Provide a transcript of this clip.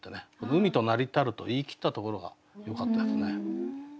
「海となりたる」と言い切ったところがよかったですね。